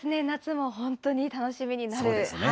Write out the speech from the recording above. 夏も本当に楽しみです。